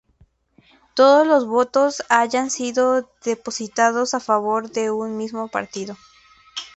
Todos los votos hayan sido depositados a favor de un mismo partido.